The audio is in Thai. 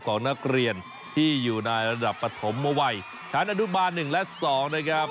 ของนักเรียนที่อยู่ในระดับปฐมวัยชั้นอนุบาล๑และ๒นะครับ